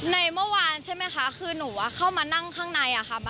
ในเมื่อวานชั้นมีเข้ามานั่งข้างใน